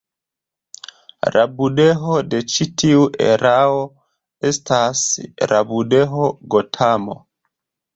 La budho de ĉi tiu erao estas la budho Gotamo.